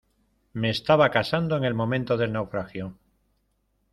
me estaba casando en el momento del naufragio.